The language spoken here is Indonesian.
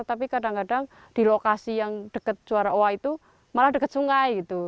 tapi kadang kadang di lokasi yang dekat juara oa itu malah dekat sungai gitu